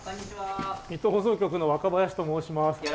水戸放送局の若林と申します。